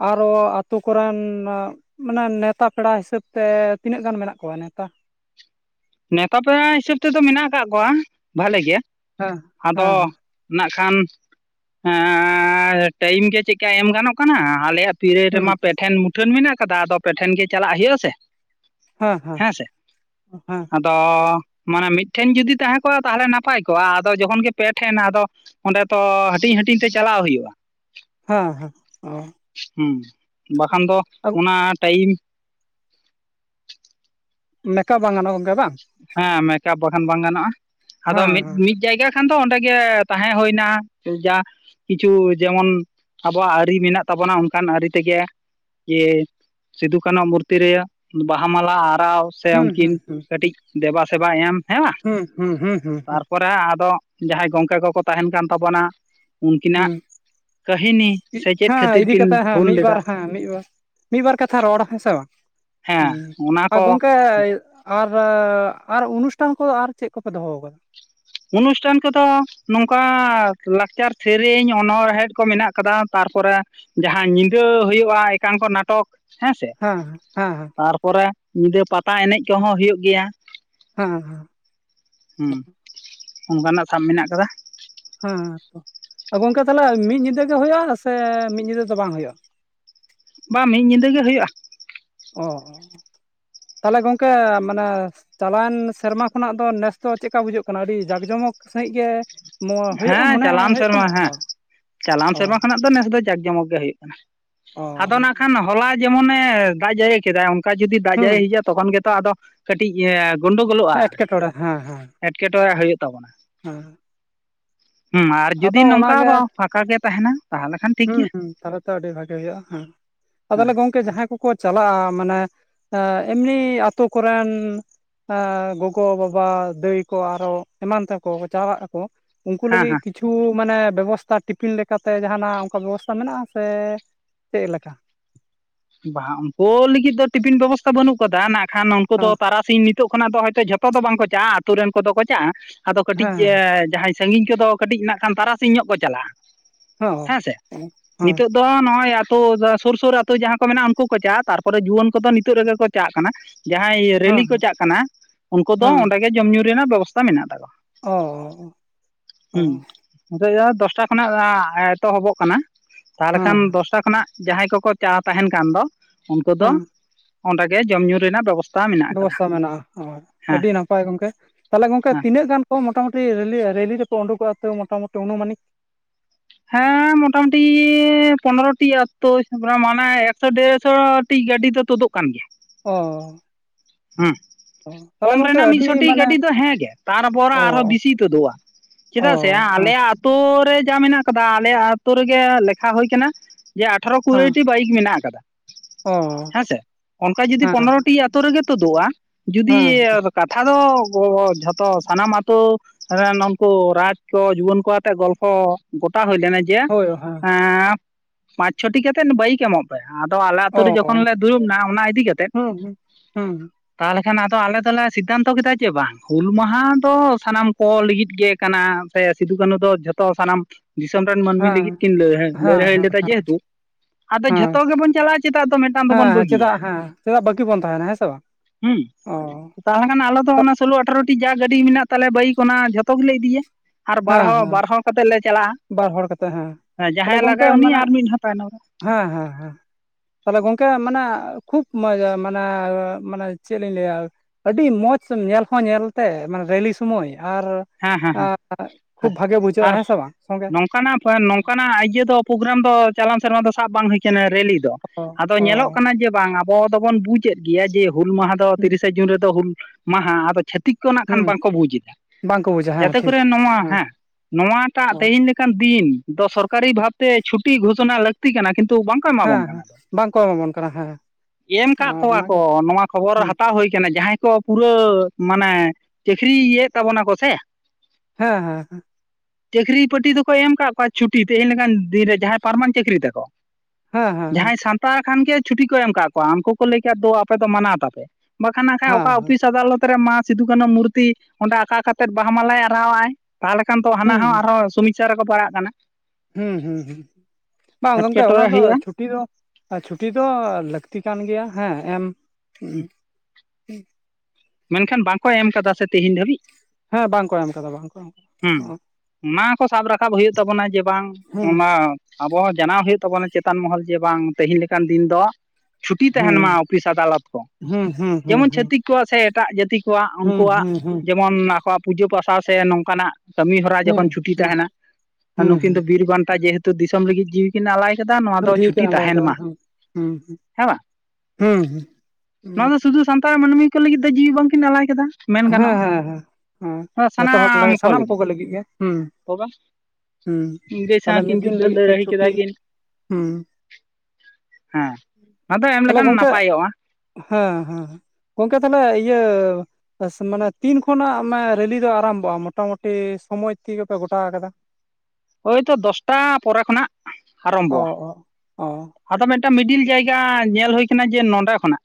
ᱟᱨᱚ ᱟᱛᱩ ᱠᱚᱨᱮᱱ ᱱᱟᱜᱼᱼ ᱢᱟᱱᱮ ᱱᱮᱶᱛᱟ ᱯᱮᱲᱟ ᱦᱤᱥᱟᱹᱵᱽᱛᱮ ᱛᱤᱱᱟᱹᱜ ᱜᱟᱱ ᱢᱮᱱᱟᱜ ᱠᱚᱣᱟ ᱱᱮᱶᱛᱟ? ᱱᱮᱣᱛᱟ ᱯᱮᱲᱟ ᱦᱤᱥᱟᱹᱵᱽ ᱛᱮᱫᱚ ᱢᱮᱱᱟᱜ ᱠᱟᱜ ᱠᱚᱣᱟ ᱵᱷᱟᱞᱮ ᱜᱮ ᱦᱮᱸ ᱟᱫᱚᱼᱼ ᱦᱮᱸ ᱱᱟᱜ ᱠᱷᱟᱱ ᱮᱸᱻᱭ‌ ᱴᱟᱹᱭᱤᱢ ᱜᱮ ᱪᱮᱜ ᱠᱟ ᱮᱢ ᱜᱟᱱᱚᱜ ᱠᱟᱱᱟ ᱟᱞᱮᱭᱟᱜᱼᱼ ᱯᱤᱨᱟᱹᱭ ᱦᱮᱸ ᱨᱮᱢᱟ ᱯᱮ ᱴᱷᱮᱱ ᱢᱩᱴᱷᱟᱹᱱ ᱢᱮᱱᱟᱜ ᱠᱟᱫᱟ ᱟᱫᱚ ᱯᱮ ᱴᱷᱮᱱ ᱜᱮ ᱪᱟᱞᱟᱜ ᱦᱩᱭᱩᱜ-ᱟ ᱥᱮ᱾ ᱦᱚ ᱦᱚ ᱦᱮᱸ ᱥᱮ ᱚ ᱦᱮᱸ᱾ ᱟᱫᱚ ᱢᱟᱱᱮ ᱢᱤᱫ ᱴᱷᱮᱱ ᱡᱩᱫᱤ ᱛᱟᱦᱮᱸ ᱠᱚᱜ-ᱟ ᱛᱟᱦᱚᱞᱮ ᱱᱟᱯᱟᱭ ᱠᱚᱜ-ᱟ ᱟᱫᱚ ᱡᱚᱠᱷᱚᱱ ᱜᱮ ᱯᱮ ᱴᱷᱮᱱ ᱟᱫᱚᱼᱼ ᱚᱸᱰᱮ ᱛᱚ ᱦᱟᱹᱴᱤᱧ ᱦᱟᱹᱴᱤᱧ ᱛᱮ ᱪᱟᱞᱟᱣ ᱦᱩᱭᱩᱜ-ᱟ᱾ ᱦᱚᱸ ᱦᱚ ᱚ᱾ ᱦᱩᱸ ᱵᱟᱠᱷᱟᱱ ᱫᱚ ᱚᱱᱟ ᱴᱟᱹᱭᱤᱢᱼᱼᱼ ᱢᱮᱠᱟᱯ ᱵᱟᱝ ᱜᱟᱱᱚᱜ-ᱟ ᱜᱚᱝᱠᱮ ᱵᱟᱝ᱾ ᱦᱮᱸ ᱢᱮᱠᱟᱯ ᱵᱟᱠᱷᱟᱱ ᱵᱟᱝ ᱜᱟᱱᱚᱜ-ᱟ ᱟᱫᱚ ᱦᱮᱸ ᱢᱤᱫ ᱦᱮᱸ ᱢᱤᱫ ᱡᱟᱭᱜᱟᱼᱼ ᱠᱷᱟᱱ ᱫᱚ ᱚᱸᱰᱮ ᱜᱮ ᱛᱟᱦᱮᱸ ᱦᱩᱭ ᱱᱟ ᱡᱟᱼᱼ ᱠᱤᱪᱷᱩ ᱡᱮᱢᱚᱱ ᱟᱵᱚᱣᱟᱜ ᱟᱹᱨᱤ ᱢᱮᱱᱟᱜ ᱛᱟᱵᱚᱱᱟ ᱚᱱᱠᱟᱱ ᱟᱨᱤ ᱛᱮᱜᱮ᱾ ᱤᱭᱮ ᱥᱤᱫᱩ ᱠᱟᱹᱱᱩ ᱢᱩᱨᱛᱤ ᱨᱮᱭᱟᱜ ᱵᱟᱦᱟ ᱢᱟᱞᱟ ᱟᱨᱟᱣ ᱥᱮ ᱦᱩᱸ ᱩᱱᱠᱤᱱᱼᱼ ᱦᱩᱸ ᱫᱮᱵᱟ ᱥᱮᱵᱟ ᱮᱢ ᱦᱮᱸᱟ ᱦᱩᱸ ᱦᱩᱸ ᱦᱩᱸ ᱦᱩᱸ ᱦᱩᱸ ᱛᱟᱨᱼᱼ ᱯᱚᱨᱮ ᱦᱟᱸᱜ ᱟᱫᱚ ᱡᱟᱦᱟᱸᱭ ᱜᱚᱝᱠᱮ ᱠᱚᱠᱚ ᱛᱟᱦᱮᱱ ᱠᱟᱱ ᱛᱟᱵᱚᱱᱟ᱾ ᱦᱩᱸ ᱩᱱᱠᱤᱱᱟᱜ ᱠᱟᱹᱦᱤᱱᱤ ᱥᱮ ᱪᱮᱫ ᱦᱮᱸ ᱠᱷᱟᱹᱛᱤᱨ ᱤᱫᱤ ᱠᱤᱱ ᱠᱟᱛᱮ ᱦᱮᱸ ᱦᱩᱞ ᱢᱤᱫ ᱞᱮᱫᱟ᱾ ᱵᱟᱨ ᱦᱮᱸ ᱢᱤᱜ ᱵᱟᱨ ᱢᱤᱜ ᱵᱟᱨ ᱠᱟᱛᱷᱟ ᱨᱚᱲ ᱦᱮᱸ ᱥᱮ ᱵᱟᱝ ᱦᱮᱸ ᱦᱩᱸ ᱚᱱᱟ ᱟᱨ ᱠᱚ ᱜᱚᱝᱠᱮᱼᱼ ᱟᱨᱮ ᱟᱨ ᱚᱱᱩᱥᱴᱷᱟᱱ ᱠᱚ ᱟᱨ ᱪᱮᱜ ᱠᱚᱯᱮ ᱫᱚᱦᱚ ᱠᱟᱫᱟ? ᱚᱱᱩᱥᱴᱷᱟᱱ ᱠᱚᱫᱚ ᱱᱚᱝᱠᱟ ᱞᱟᱠᱪᱟᱨ ᱥᱮᱨᱮᱧ ᱚᱱᱚᱲᱦᱮᱸᱫᱽ ᱠᱚ ᱢᱮᱱᱟᱜ ᱠᱟᱫᱟ᱾ ᱛᱟᱨᱯᱚᱨᱮ ᱡᱟᱦᱟᱸ ᱧᱤᱫᱟᱹ ᱦᱩᱭᱩᱜ-ᱟ ᱮᱠᱟᱝᱠᱚ ᱱᱟᱴᱚᱠ᱾ ᱦᱮᱸ ᱥᱮ ᱛᱟᱨᱯᱚᱨᱮ ᱧᱤᱫᱟᱹ ᱯᱟᱛᱟ ᱮᱱᱮᱡ ᱠᱚᱦᱚᱸ ᱦᱩᱭᱩᱜ ᱜᱮᱭᱟ᱾ ᱚ ᱦᱚᱸ ᱦᱩᱸ ᱚᱱᱠᱟᱱᱟᱜ ᱥᱟᱵ ᱢᱮᱱᱟᱜ ᱠᱟᱫᱟ᱾ ᱦᱮᱸ ᱛᱚ ᱜᱚᱝᱠᱮ ᱛᱟᱦᱚᱞᱮ ᱢᱤᱫ ᱧᱤᱫᱟᱹ ᱜᱮ ᱦᱩᱭᱩᱜ-ᱟ ᱥᱮ ᱢᱤᱫ ᱧᱤᱫᱟᱹ ᱫᱚ ᱵᱟᱝ ᱦᱩᱭᱩᱜ-ᱟ? ᱵᱟᱝ ᱢᱤᱫ ᱧᱤᱫᱟᱹ ᱜᱮ ᱦᱩᱭᱩᱜ-ᱟ᱾ ᱚ ᱛᱟᱦᱚᱞᱮ ᱜᱚᱝᱠᱮ ᱢᱟᱱᱮ ᱪᱟᱞᱟᱣᱮᱱ ᱥᱮᱨᱢᱟ ᱠᱷᱚᱱᱟᱜ ᱫᱚ ᱱᱮᱥ ᱫᱚ ᱪᱮᱫᱠᱟ ᱵᱩᱡᱷᱟᱹᱜ ᱠᱟᱱᱟ ᱟᱹᱰᱤ ᱡᱟᱠ ᱡᱚᱢᱚᱠ ᱥᱟᱺᱦᱤᱡ ᱜᱮ ᱦᱩᱭᱩᱜᱼᱟ ᱦᱮᱸ ᱢᱚᱱᱮ ᱪᱟᱞᱟᱣᱮᱱ ᱦᱩᱭᱩᱜ ᱥᱮᱨᱢᱟ ᱠᱟᱱᱟ ᱦᱮᱸ ᱚ ᱪᱟᱞᱟᱣᱮᱱ ᱚ ᱥᱮᱨᱢᱟ ᱠᱷᱚᱱᱟᱜ ᱫᱚ ᱱᱮᱥ ᱫᱚ ᱡᱟᱠ ᱡᱚᱢᱚᱠ ᱜᱮ ᱦᱩᱭᱩᱜ ᱠᱟᱱᱟ ᱚ ᱟᱫᱚ ᱚᱱᱟ ᱠᱷᱟᱱ ᱦᱚᱞᱟ ᱡᱮᱢᱚᱱᱮ ᱫᱟᱜ ᱡᱟᱹᱲᱤ ᱠᱮᱫᱟ ᱚᱠᱟ ᱡᱩᱫᱤ ᱫᱟᱜ ᱡᱟᱭ ᱦᱩᱸ ᱦᱤᱡᱩᱜᱼᱟ ᱛᱚᱠᱷᱚᱱ ᱜᱮᱛᱚ ᱟᱫᱚ ᱠᱟᱹᱴᱤᱡ ᱮᱸᱭᱮ ᱜᱳᱱᱴᱳ ᱜᱳᱞᱳᱜᱼᱟ ᱟᱨᱠᱤ ᱮᱴᱠᱮᱴᱚᱬᱮ ᱦᱮᱸ ᱦᱮᱸ ᱮᱴᱠᱮᱴᱚᱬᱮ ᱦᱩᱭᱩᱜ ᱛᱟᱵᱚᱱᱟ ᱦᱮᱸ ᱦᱩᱸ ᱟᱨ ᱡᱩᱫᱤ ᱟᱫᱚ ᱱᱚᱝᱠᱟ ᱚᱱᱟᱜᱮ ᱯᱷᱟᱸᱠᱟ ᱜᱮ ᱛᱟᱦᱮᱱᱟ ᱛᱟᱦᱚᱞᱮ ᱠᱷᱟᱱ ᱴᱷᱤᱠ ᱦᱩᱸ ᱜᱮᱭᱟ ᱦᱩᱸ ᱛᱟᱦᱞᱮ ᱛᱚ ᱟᱹᱰᱤ ᱵᱷᱟᱜᱤ ᱦᱩᱭᱩᱜ-ᱟ ᱦᱮᱸ, ᱟ ᱦᱮᱸ ᱛᱟᱦᱞᱮ ᱜᱚᱝᱠᱮ ᱡᱟᱦᱟᱸᱭ ᱠᱚ ᱠᱚ ᱪᱟᱞᱟᱜ-ᱟ ᱢᱟᱱᱮ ᱮᱢᱱᱤ ᱟᱹᱛᱳ ᱠᱚᱨᱮᱱ ᱮᱸ, ᱜᱚᱜᱚ, ᱵᱟᱵᱟ, ᱫᱟᱹᱭ ᱠᱚ ᱟᱨᱚ ᱮᱢᱟᱱ ᱛᱮᱠᱚ ᱠᱚ ᱪᱟᱞᱟᱜ-ᱟ ᱠᱚ ᱩᱱᱠᱩ ᱦᱮᱸ ᱞᱟᱹᱜᱤᱫ ᱠᱤᱪᱷᱩ ᱢᱟᱱᱮ ᱵᱮᱵᱚᱥᱛᱷᱟ ᱴᱤᱯᱤᱱ ᱞᱮᱠᱟᱛᱮ ᱡᱟᱸᱦᱟᱱᱟᱜ ᱠᱚ ᱵᱮᱵᱚᱥᱛᱟ ᱢᱮᱱᱟᱜ-ᱟ ᱥᱮ ᱪᱮᱫ ᱞᱮᱠᱟ? ᱵᱟᱦᱟ, ᱩᱱᱠᱩ ᱞᱟᱹᱜᱤᱫ ᱫᱚ ᱴᱤᱯᱷᱤᱱ ᱵᱮᱵᱚᱥᱛᱷᱟ ᱵᱟᱹᱱᱩᱜ ᱠᱟᱫᱟ, ᱱᱟᱜ ᱠᱷᱟᱱ ᱩᱱᱠᱩ ᱦᱮᱸ ᱫᱚ ᱛᱟᱨᱟᱥᱤᱧ ᱱᱤᱛᱳᱜ ᱠᱷᱚᱱᱟᱜ ᱫᱚ ᱦᱚᱭᱛᱳ ᱡᱷᱚᱛᱚ ᱫᱚ ᱵᱟᱝᱠᱚ ᱪᱟᱜ-ᱟ, ᱟᱹᱛᱳ ᱨᱮᱱ ᱠᱚᱫᱚ ᱠᱚ ᱪᱟᱜᱼᱟ᱾ ᱟᱫᱚ ᱠᱟᱹᱴᱤᱡ ᱮ ᱦᱮᱸ ᱡᱟᱦᱟᱸᱭ ᱥᱟᱺᱜᱤᱧ ᱠᱚᱫᱚ ᱠᱟᱹᱴᱤᱡ ᱱᱟᱜ ᱠᱷᱟᱱ ᱛᱟᱨᱟᱥᱤᱧ ᱧᱚᱜ ᱠᱚ ᱪᱟᱞᱟᱜ-ᱟ ᱦᱮᱸ ᱥᱮ ᱦᱮᱸ ᱱᱤᱛᱳᱜ ᱫᱚ ᱱᱚᱜ-ᱚᱭ ᱟᱹᱛᱩ ᱫᱚ ᱥᱩᱨ ᱥᱩᱨ ᱟᱹᱛᱩ ᱡᱟᱦᱟᱸ ᱠᱚ ᱢᱮᱱᱟᱜ-ᱟ ᱩᱱᱠᱩ ᱠᱚ ᱪᱟᱜ-ᱟ, ᱛᱟᱨᱯᱚᱨᱮ ᱡᱩᱣᱟᱹᱱ ᱠᱚᱫᱚ ᱱᱤᱛᱳᱜ ᱨᱮᱜᱮ ᱠᱚ ᱪᱟᱜ ᱠᱟᱱᱟ᱾ ᱡᱟᱦᱟᱸᱭ ᱨᱮᱞᱤ ᱠᱚ ᱦᱮᱸ ᱪᱟᱜ ᱠᱟᱱᱟ ᱩᱱᱠᱩ ᱫᱚ ᱦᱮᱸ ᱚᱸᱰᱮ ᱜᱮ ᱡᱚᱢ ᱧᱩ ᱨᱮᱱᱟᱜ ᱵᱮᱵᱚᱥᱛᱟ ᱢᱮᱱᱟᱜ ᱛᱟᱠᱚᱣᱟ᱾ ᱚ, ᱚ, ᱦᱩᱸ ᱚ᱾ ᱱᱤᱛᱚᱜ ᱫᱚ ᱫᱚᱥᱴᱟ ᱠᱷᱚᱱᱟᱜ ᱮᱛᱚᱦᱚᱵᱚᱜ ᱠᱟᱱᱟ ᱛᱟᱦᱚᱞᱮ ᱠᱷᱟᱱ ᱦᱮᱸ ᱫᱚᱥᱴᱟ ᱠᱷᱚᱱᱟᱜ ᱡᱟᱦᱟᱸᱭ ᱠᱚᱠᱚ ᱪᱟ ᱛᱟᱦᱮᱱ ᱠᱟᱱ ᱫᱚ ᱩᱱᱠᱩ ᱫᱚ ᱦᱮᱸ ᱚᱸᱰᱮ ᱜᱮ ᱡᱚᱢ ᱧᱩ ᱨᱮᱱᱟᱜ ᱵᱮᱵᱚᱥ ᱵᱮᱵᱚᱥᱛᱟ ᱢᱮᱱᱟᱜ-ᱟ, ᱦᱳᱭ᱾ ᱟᱹᱰᱤ ᱱᱟᱯᱟᱭ ᱜᱚᱝᱠᱮ᱾ ᱛᱟᱦᱞᱮ ᱜᱚᱝᱠᱮ ᱦᱮᱸ ᱛᱤᱱᱟᱹᱜ ᱜᱟᱱ ᱠᱷᱚᱱ ᱢᱚᱴᱟᱢᱩᱴᱤ ᱨᱮᱹᱞᱤ ᱨᱮᱹᱞᱤ ᱨᱮᱯᱮ ᱩᱰᱩᱠᱚᱜ-ᱟ ᱛᱟᱹᱣ ᱢᱚᱴᱟᱢᱩᱴᱤ ᱚᱱᱩᱢᱟᱱᱤᱠ? ᱦᱮᱸ ᱢᱚᱴᱟᱢᱩᱴᱤᱻ ᱯᱚᱱᱨᱚᱴᱤ ᱟᱛᱳ ᱦᱤᱥᱟᱹᱵᱽ ᱨᱮ ᱢᱟᱱᱮ ᱮᱠᱥᱚ, ᱰᱮᱲᱥᱚ ᱴᱤ ᱜᱟᱹᱰᱤ ᱫᱚ ᱛᱩᱫᱚᱜ ᱠᱟᱱ ᱜᱮᱭᱟ᱾ ᱚ ᱦᱩᱸᱜ, ᱚ ᱛᱟᱦᱚᱞᱮ ᱠᱚᱢ ᱜᱚᱝᱠᱮ ᱨᱮᱱᱟᱜ ᱟᱹᱰᱤ ᱢᱤᱫᱥᱚᱴᱤ ᱢᱟᱱᱮ ᱜᱟᱹᱰᱤ ᱫᱚ ᱦᱮᱸᱜᱮ ᱛᱟᱨᱯᱚᱨ ᱟᱨᱦᱚᱸ ᱚ ᱵᱮᱥᱤ ᱛᱩᱫᱩᱜ-ᱟ᱾ ᱚ ᱪᱮᱫᱟᱜ ᱥᱮ ᱦᱮᱸ ᱟᱞᱮᱭᱟᱜ ᱟᱹᱛᱩ ᱨᱮ ᱡᱟ ᱢᱮᱱᱟᱜ ᱠᱟᱫᱟ ᱟᱞᱮᱭᱟᱜ ᱟᱹᱛᱩᱳ ᱨᱮᱜᱮ ᱞᱮᱠᱷᱟ ᱦᱩᱭ ᱠᱟᱱᱟ᱾ ᱡᱮ ᱟᱴᱷᱟᱨᱚ ᱠᱩᱲᱤ ᱦᱮᱸ ᱴᱤ ᱵᱟᱭᱤᱠ ᱢᱮᱱᱟᱜ ᱟᱠᱟᱫᱟ ᱚ ᱦᱮᱸᱥᱮ᱾ ᱚᱱᱠᱟ ᱡᱩᱫᱤ ᱦᱮᱸ ᱯᱚᱱᱨᱚ ᱴᱤ ᱟᱹᱛᱳ ᱨᱮᱜᱮ ᱛᱩᱫᱩᱜ-ᱟ ᱦᱮᱸ ᱡᱩᱫᱤ ᱠᱟᱛᱷᱟ ᱫᱚ ᱜᱚᱜᱚ ᱡᱷᱚᱛᱚ ᱥᱟᱱᱟᱢ ᱟᱛᱳ ᱮᱸ, ᱱᱩᱝᱠᱩ ᱨᱟᱡᱽ ᱠᱚ, ᱡᱩᱣᱟᱹᱱ ᱠᱚ ᱟᱛᱮᱫ ᱜᱚᱞᱯᱷᱚ ᱜᱚᱴᱟ ᱦᱩᱭ ᱞᱮᱱᱟ᱾ ᱡᱮ ᱦᱳᱭ ᱦᱮᱸ ᱮᱸᱻ ᱯᱟᱸᱪ ᱪᱷᱚᱴᱤ ᱠᱟᱛᱮᱫ ᱵᱟᱭᱤᱠ ᱮᱢᱚᱜ ᱯᱮ᱾ ᱟᱫᱚ ᱟᱞᱮ ᱟᱛᱩ ᱚ ᱨᱮ ᱡᱚᱠᱷᱚᱱ ᱞᱮ ᱫᱩᱲᱩᱵ ᱮᱱᱟ ᱚᱱᱟ ᱤᱫᱤ ᱠᱟᱛᱮᱫ᱾ ᱦᱩᱸ ᱦᱩᱸ ᱦᱩᱸ᱾ ᱛᱟᱦᱞᱮ ᱠᱷᱟᱱ ᱟᱫᱚ ᱟᱞᱮ ᱫᱚᱞᱮ ᱥᱤᱫᱽᱫᱷᱟᱱᱛᱚ ᱠᱮᱫᱟ ᱡᱮ ᱵᱟᱝ ᱦᱩᱞ ᱢᱟᱦᱟ ᱫᱚ ᱥᱟᱱᱟᱢ ᱠᱚ ᱞᱟᱹᱜᱤᱫ ᱜᱮ᱾ ᱠᱟᱱᱟ ᱥᱮ ᱥᱤᱫᱩ ᱠᱟᱹᱱᱩ ᱫᱚ ᱡᱷᱚᱛᱚ ᱥᱟᱱᱟᱢ ᱫᱤᱥᱚᱢ ᱨᱮᱱ ᱢᱟᱹᱱᱢᱤ ᱦᱮᱸ ᱞᱟᱹᱜᱤᱫ ᱠᱤᱱ ᱞᱟᱹᱲᱦᱟ., ᱦᱮᱸ ᱞᱟᱹᱲᱦᱟ. ᱭ ᱦᱮᱸ ᱞᱮᱫᱟ ᱡᱮᱦᱮᱛᱩ᱾ ᱟᱫᱚ ᱡᱷᱚᱛᱚ ᱦᱮᱸ ᱜᱮᱵᱚᱱ ᱪᱟᱞᱟᱜ-ᱟ᱾ ᱪᱮᱫᱟᱜ ᱫᱚ ᱢᱤᱫᱴᱟᱝ ᱫᱚᱵᱚᱱ ᱦᱮᱸ ᱵᱟᱹᱜᱤᱭᱜ-ᱟ? ᱪᱮᱫᱟᱜ ᱦᱮᱸ ᱪᱮᱫᱟᱜ ᱵᱟᱹᱠᱤ ᱵᱚᱱ ᱛᱟᱸᱦᱮᱱᱟ ᱦᱮᱸ ᱥᱮ ᱵᱟᱝ? ᱦᱩᱸ᱾ ᱚ ᱛᱟᱦᱞᱮ ᱠᱷᱟᱱ ᱟᱞᱮ ᱫᱚ ᱚᱱᱟ ᱥᱳᱞᱳ ᱟᱴᱷᱟᱨᱚᱴᱤ ᱡᱟ ᱜᱟᱹᱰᱤ ᱢᱮᱱᱟᱜ ᱛᱟᱞᱮ ᱵᱟᱹᱭᱤᱠ ᱚᱱᱟ ᱡᱷᱚᱛᱚ ᱜᱮᱞᱮ ᱤᱫᱤᱭᱟ᱾ ᱟᱨ ᱵᱟᱨ ᱦᱮᱸ ᱦᱚᱲ ᱦᱮᱸ ᱵᱟᱨ ᱦᱚᱲ ᱠᱟᱛᱮ ᱞᱮ ᱵᱟᱨ ᱦᱚᱲ ᱠᱟᱛᱮ ᱦᱮᱸ ᱪᱟᱞᱟᱜᱼᱟ᱾ ᱛᱟᱦᱚᱞᱮ ᱡᱟᱦᱟᱸᱭ ᱜᱚᱝᱠᱮ ᱞᱟᱜᱟᱭᱟ ᱩᱱᱤ ᱢᱟᱱᱮ ᱟᱨ ᱢᱤᱫ ᱦᱚᱲ ᱛᱟᱭᱱᱚᱢ ᱨᱮ᱾ ᱦᱮᱸ ᱦᱮᱸ ᱦᱮᱸ᱾ ᱛᱟᱦᱞᱮ ᱜᱚᱝᱠᱮ ᱢᱟᱱᱮ ᱠᱷᱩᱵ ᱢᱚᱡᱟ ᱢᱟᱱᱮ ᱢᱟᱱᱮ ᱪᱮᱫ ᱞᱤᱧ ᱞᱟᱹᱭᱟ᱾ ᱟᱹᱰᱤ ᱢᱚᱸᱡᱽ ᱧᱮᱞ ᱦᱚᱸ ᱧᱮᱞᱛᱮ ᱢᱟᱱᱮ ᱨᱮᱞᱤ ᱥᱚᱢᱚᱭ ᱟᱨ ᱦᱮᱸ ᱦᱮᱸ ᱦᱮᱸ᱾ ᱠᱷᱩᱵ ᱵᱷᱟᱜᱮ ᱵᱩᱡᱷᱟᱹᱜ-ᱟ ᱟᱨ ᱦᱮᱸ ᱥᱮ ᱵᱟᱝ? ᱥᱚᱸᱜᱮ ᱱᱚᱝᱠᱟᱱᱟᱜ ᱯᱚ ᱱᱚᱝᱠᱟᱱᱟᱜ ᱤᱭᱟᱹ ᱫᱚ ᱯᱨᱳᱜᱨᱟᱢ ᱫᱚ ᱪᱟᱞᱟᱣᱮᱱ ᱥᱮᱨᱢᱟ ᱫᱚ ᱥᱟᱵ ᱵᱟᱝ ᱦᱩᱭ ᱠᱟᱱᱟ ᱨᱮᱞᱤ᱾ ᱚ [unintelligible] ᱟᱫᱚ ᱧᱮᱞᱚᱜ ᱚ ᱠᱟᱱᱟ ᱡᱮ ᱵᱟᱝ ᱟᱵᱚ ᱫᱚᱵᱚᱱ ᱵᱩᱡᱮᱫ ᱜᱮᱭᱟ ᱡᱮ ᱦᱩᱞ ᱢᱟᱦᱟ ᱫᱚ ᱦᱩᱸ ᱛᱤᱨᱤᱥᱮ ᱡᱩᱱ ᱨᱮᱫᱚ ᱦᱩᱞ ᱢᱟᱦᱟ ᱟᱫᱚ ᱪᱷᱟᱹᱛᱤᱠ ᱠᱚ ᱱᱟᱜ ᱠᱷᱟᱱ ᱦᱩᱸ ᱵᱟᱝᱠᱚ ᱵᱩᱡᱮᱫᱟ᱾ ᱵᱟᱝᱠᱚ ᱵᱩᱡᱟ᱾ ᱦᱮᱸ ᱡᱟᱛᱮ ᱴᱷᱤᱠ ᱠᱚᱨᱮ ᱱᱚᱣᱟ ᱦᱮᱸ ᱱᱚᱣᱟᱴᱟᱜ ᱛᱟᱭᱤᱢᱮ ᱠᱟᱱ ᱫᱤᱱ ᱫᱚ ᱥᱚᱨᱠᱟᱨᱤ ᱵᱷᱟᱵᱽᱛᱮ ᱪᱷᱩᱴᱤ ᱜᱷᱳᱥᱚᱱᱟ ᱞᱟᱹᱠᱛᱤ ᱠᱟᱱᱟ᱾ ᱠᱤᱱ ᱦᱮᱸ ᱦᱮᱸ, ᱵᱟᱝ ᱠᱚ ᱮᱢᱟᱵᱚᱱ ᱠᱟᱱᱟ ᱦᱮᱸ᱾ ᱮᱢ ᱠᱟᱜ ᱠᱚᱣᱟ ᱚᱱᱟᱜᱮ ᱠᱚ᱾ ᱱᱚᱣᱟ ᱠᱷᱚᱵᱚᱨ ᱦᱮᱸ ᱦᱟᱛᱟᱣ ᱦᱩᱭ ᱠᱟᱱᱟ᱾ ᱡᱟᱦᱟᱸᱭ ᱠᱚ ᱯᱩᱨᱟᱹ ᱢᱟᱱᱮ ᱪᱟᱹᱠᱨᱤ ᱤᱭᱟᱹᱭᱮᱜ ᱛᱟᱵᱚᱱᱟᱠᱚ ᱥᱮ ᱦᱳᱭ ᱦᱳᱭ ᱦᱳᱭ᱾ ᱪᱟᱹᱠᱨᱤ ᱯᱟᱹᱴᱤ ᱫᱚᱠᱚ ᱮᱢ ᱠᱟᱜ ᱠᱚᱣᱟ ᱪᱷᱩᱴᱤ, ᱛᱮᱦᱮᱱ ᱞᱮᱠᱟᱱ ᱫᱤᱱ ᱨᱮ ᱡᱟᱦᱟᱸᱭ ᱯᱟᱨᱢᱟᱱ ᱪᱟᱹᱠᱨᱤ ᱛᱟᱠᱚ, ᱦᱮᱸ ᱦᱮᱸ ᱡᱟᱦᱟᱸᱭ ᱥᱟᱱᱛᱟᱲ ᱠᱷᱟᱱ ᱜᱮ ᱪᱷᱩᱴᱤ ᱠᱚ ᱮᱢ ᱠᱟᱜ‌ ᱠᱚᱣᱟ, ᱩᱱᱠᱩ ᱠᱚ ᱞᱟᱹᱭ ᱠᱮᱜ-ᱟ ᱫᱩ ᱟᱯᱮ ᱫᱚ ᱢᱟᱱᱟᱣ ᱛᱟᱯᱮ, ᱵᱟᱠᱷᱟᱱ ᱱᱟᱠᱷᱟᱭ ᱦᱮᱸ ᱚᱠᱟ ᱦᱮᱸ ᱚᱯᱷᱤᱥ ᱟᱫᱟᱞᱚᱛ ᱨᱮ ᱢᱟ ᱥᱤᱫᱩ ᱠᱟᱹᱱᱦᱩ ᱢᱩᱨᱛᱤ ᱚᱸᱰᱮ ᱟᱠᱟ ᱠᱟᱛᱮᱫ ᱵᱟᱦᱟ ᱢᱟᱞᱟᱭ ᱟᱨᱟᱣᱟᱜᱼᱟᱭ, ᱛᱟᱦᱚᱞᱮ ᱠᱷᱟᱱ ᱛᱚ ᱦᱟᱱᱟ ᱦᱩᱸ ᱦᱚᱸ ᱟᱨᱦᱚᱸ ᱥᱚᱢᱤᱥᱪᱟᱨ ᱨᱮᱠᱚ ᱯᱟᱲᱟᱜ ᱠᱟᱱᱟ ᱦᱩᱸ ᱦᱩᱸ ᱵᱟᱝ ᱜᱚᱝᱠᱮ ᱚᱱᱟ ᱮᱴᱠᱮᱴᱚᱬᱮ ᱫᱚ ᱦᱩᱭᱩᱜᱼᱟ ᱪᱷᱩᱴᱤ ᱫᱚ ᱟᱨ ᱪᱷᱩᱴᱤ ᱫᱚ ᱞᱟᱹᱠᱛᱤ ᱠᱟᱱ ᱜᱮᱭᱟ ᱦᱮᱸ ᱮᱢ ᱦᱩᱸ ᱢᱮᱱᱠᱷᱟᱱ ᱵᱟᱝᱠᱚ ᱮᱢ ᱠᱟᱫᱟ ᱥᱮ ᱛᱮᱦᱮᱧ ᱫᱷᱟᱹᱵᱤᱡ, ᱦᱮᱸ ᱵᱟᱝ ᱠᱚ ᱮᱢ ᱠᱟᱫᱟ ᱵᱟᱝ ᱠᱚ ᱮᱢ ᱦᱩᱸ ᱠᱟᱫᱟ ᱚᱱᱟ ᱠᱚ ᱥᱟᱵ ᱨᱟᱠᱟᱵ ᱦᱩᱭᱩᱜ ᱛᱟᱵᱚᱱᱟ ᱡᱮ ᱵᱟᱝ ᱦᱩᱸ ᱚᱱᱟ ᱟᱵᱚ ᱦᱚᱸ ᱡᱟᱱᱟᱣ ᱦᱩᱭᱩᱜ ᱛᱟᱵᱚᱱᱟ ᱪᱮᱛᱟᱱ ᱢᱚᱦᱚᱞ ᱡᱮ ᱵᱟᱝ ᱛᱮᱦᱮᱧ ᱞᱮᱠᱟᱱ ᱫᱤᱱ ᱫᱚ ᱪᱷᱩᱴᱤ ᱛᱟᱦᱮᱱ ᱦᱩᱸ ᱢᱟ ᱚᱯᱷᱤᱥ, ᱟᱫᱟᱞᱚᱛ, ᱠᱚ ᱦᱩᱸ ᱦᱩᱸ ᱦᱩᱸ ᱡᱮᱢᱚᱱ ᱦᱩᱸ ᱪᱷᱟᱹᱛᱤᱠ ᱩᱱ ᱠᱚᱣᱟᱜ ᱥᱮ ᱮᱴᱟᱜ ᱡᱟᱹᱛᱤ ᱠᱚᱣᱟᱜ ᱦᱩᱸ ᱩᱱᱠᱩᱣᱟᱜ ᱦᱩᱸ ᱦᱩᱸ ᱡᱮᱢᱚᱱ ᱟᱠᱚᱣᱟᱜ ᱯᱩᱡᱟᱹ ᱯᱟᱥᱟ ᱥᱮ ᱱᱚᱝᱠᱟᱱᱟᱜ ᱠᱟᱹᱢᱤ ᱦᱚᱨᱟ ᱦᱩᱸ ᱦᱩᱸ ᱡᱚᱠᱷᱚᱱ ᱪᱷᱩᱴᱤ ᱦᱩᱸ ᱛᱟᱦᱮᱱᱟ ᱦᱩᱸ ᱱᱩᱠᱤᱱ ᱫᱚ ᱦᱩᱸ ᱵᱤᱨ ᱵᱟᱱᱴᱟ ᱡᱮᱦᱮᱛᱩ ᱫᱤᱥᱚᱢ ᱞᱟᱹᱜᱤᱫ ᱡᱤᱣᱤ ᱠᱤᱱ ᱟᱞᱟᱭ ᱠᱮᱫᱟ ᱱᱚᱣᱟ ᱫᱚ ᱴᱷᱤᱠᱮ ᱪᱷᱩᱴᱤ ᱟᱞᱟᱭ ᱛᱟᱦᱮᱱ ᱠᱟᱫᱟ ᱢᱟ ᱦᱮᱸ ᱵᱟᱝ ᱦᱩᱸᱼᱩᱜᱼᱦᱩ ᱱᱚᱣᱟ ᱫᱚ ᱾ ᱥᱩᱫᱷᱩ ᱥᱟᱱᱛᱟᱲ ᱢᱟᱹᱱᱢᱤ ᱠᱚ ᱞᱟᱹᱜᱤᱫ ᱫᱚ ᱡᱤᱣᱤ ᱵᱟᱝᱠᱤᱱ ᱟᱞᱟᱭ ᱠᱟᱫᱟ, ᱢᱮᱱ ᱦᱮᱸ ᱜᱟᱱᱚᱜᱼᱟ, ᱦᱮᱸ ᱦᱮᱸ ᱦᱮᱸ ᱱᱚᱣᱟ ᱡᱚᱛᱚ ᱦᱚᱲ ᱥᱟᱱᱟᱢ ᱠᱚ ᱞᱟᱹᱜᱤᱫ ᱠᱚᱜᱮ ᱜᱮ ᱦᱩᱸ ᱚᱜᱟ ᱦᱩᱸ ᱤᱝᱨᱮᱡᱽ ᱥᱟᱶ ᱛᱟᱦᱚᱞᱮ ᱠᱤᱱ ᱢᱤᱫ ᱫᱤᱱ ᱡᱩᱫᱽᱫᱷᱚ ᱞᱟᱹᱜᱤᱫ ᱛᱮ ᱞᱟᱹᱲᱦᱟᱹᱭ ᱪᱷᱩᱴᱤ ᱠᱮᱫᱟ ᱠᱤᱱ ᱦᱩᱸ ᱦᱮᱸ ᱟᱫᱚ ᱮᱢ ᱛᱟᱦᱚᱞᱮ ᱞᱮᱠᱷᱟᱱ ᱜᱚᱝᱠᱮ ᱱᱟᱯᱟᱭᱚᱜᱼᱟ᱾ ᱦᱮᱸ ᱦᱮᱸ ᱜᱚᱝᱠᱮ ᱛᱟᱦᱞᱮ ᱤᱭᱟᱹ ᱮᱥ ᱢᱟᱱᱮ ᱛᱤᱱ ᱠᱷᱚᱱᱟᱜ ᱚᱱᱮ ᱨᱮᱞᱤ ᱫᱚ ᱟᱨᱟᱢᱵᱷᱚᱜᱼᱟ? ᱢᱚᱴᱟᱢᱩᱴᱤ ᱥᱚᱢᱚᱭ ᱛᱤᱨᱮ ᱯᱮ ᱜᱚᱴᱟ ᱟᱠᱟᱫᱟ? ᱳᱭᱛᱚ ᱫᱚᱥᱴᱟ ᱯᱚᱨᱮ ᱠᱷᱚᱱᱟᱜ᱾ ᱚᱻ ᱟᱨᱟᱢᱵᱷᱚᱜᱼᱟ ᱚᱻ ᱾ ᱟᱫᱚ ᱢᱤᱫᱴᱟᱝ ᱢᱤᱰᱤᱞ ᱡᱟᱭᱟ ᱧᱮᱞ ᱦᱩᱭ ᱟᱠᱟᱱᱟ ᱡᱮ, ᱱᱚᱰᱮ ᱠᱷᱚᱱᱟᱜ